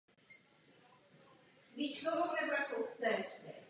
Tehdy šlo o součást území kolonie s názvem Německá východní Afrika.